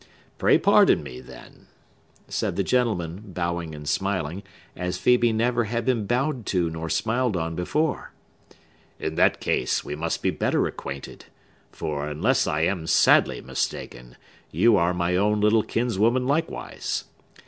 Pray pardon me, then," said the gentleman, bowing and smiling, as Phœbe never had been bowed to nor smiled on before; "in that case, we must be better acquainted; for, unless I am sadly mistaken, you are my own little kinswoman likewise!